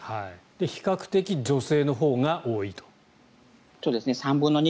比較的女性のほうが多いと。